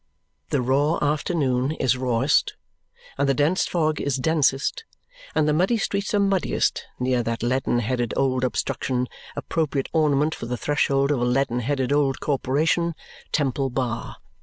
The raw afternoon is rawest, and the dense fog is densest, and the muddy streets are muddiest near that leaden headed old obstruction, appropriate ornament for the threshold of a leaden headed old corporation, Temple Bar.